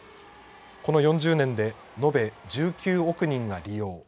この４０年で延べ１９億人が利用。